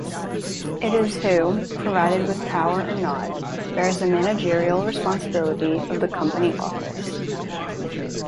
It is who, provided with power or not, bears the managerial responsibility of the company office.